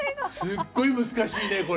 すっごい難しいねこれ。